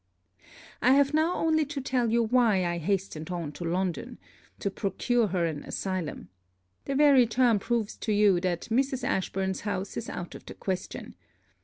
I have only now to tell you why I hastened on to London to procure her an asylum. The very term proves to you that Mrs. Ashburn's house is out of the question.